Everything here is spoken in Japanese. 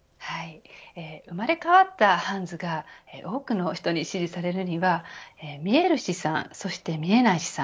生まれ変わったハンズが多くの人に支持されるには見える資産、そして見えない資産